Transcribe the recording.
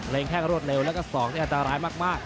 เพลงแท่งรวดเร็วและก็ส่องที่อัตรายมาก